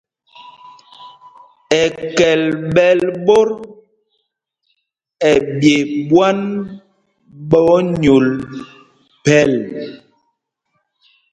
Ɛkɛl ɓɛ́l ɓot ɛɓye ɓwán ɓɛ onyûl phɛl.